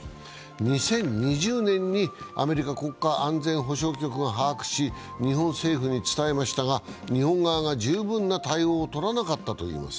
２０２０年にアメリカ国家安全保障局が把握し、日本政府に伝えましたが日本側が十分な対応を取らなかったといいます。